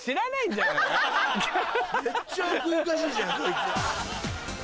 めっちゃ奥ゆかしいじゃんこいつ。